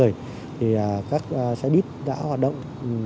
thì các xe buýt đã hoạt động